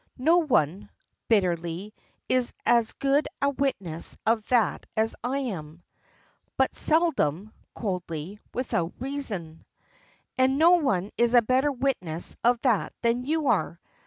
No one," bitterly, "is as good a witness of that as I am." "But seldom," coldly, "without reason." "And no one is a better witness of that than you are!